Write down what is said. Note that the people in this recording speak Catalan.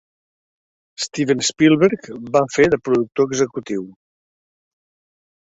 Steven Spielberg va fer de productor executiu.